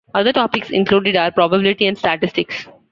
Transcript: Other topics included are probability and statistics.